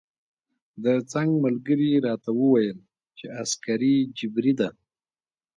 د څنګ ملګري راته وویل چې عسکري جبری ده.